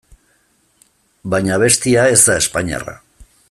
Baina abestia ez da espainiarra.